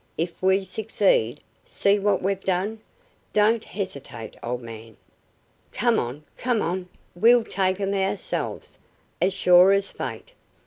If we succeed, see what we've done! Don't hesitate, old man! Come on! Come on! We'll take 'em ourselves, as sure as fate.